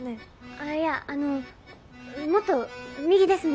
あいやあのもっと右です右。